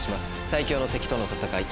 最強の敵との戦い